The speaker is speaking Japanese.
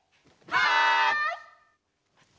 はい。